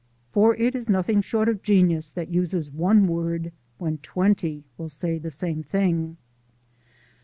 For it is nothing short of genius that uses one word when twenty will say the same thing!